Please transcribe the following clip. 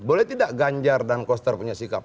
boleh tidak ganjar dan koster punya sikap